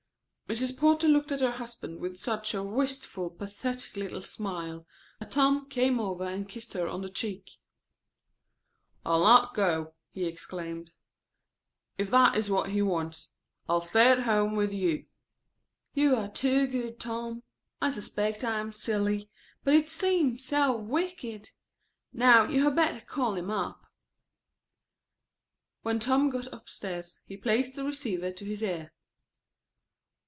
Mrs. Porter looked at her husband with such a wistful, pathetic little smile that Tom came over and kissed her on the cheek. "I'll not go," he exclaimed, "if that is what he wants. I'll stay at home with you." "You are too good, Tom. I suspect I am silly, but it seems so wicked. Now you had better call him up." When Tom got upstairs, he placed the receiver to his ear.